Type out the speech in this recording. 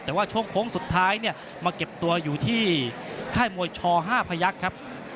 แต่ว่าช่วงโค้งสุดท้ายเนี่ยมาเก็บตัวอยู่ที่ค่ายมวยช๕พยักษ์ครับ